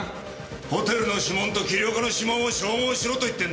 ホテルの指紋と桐岡の指紋を照合しろと言ってんだよ。